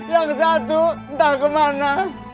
yang satu entah kemana